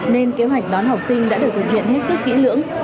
nên kế hoạch đón học sinh đã được thực hiện hết sức kỹ lưỡng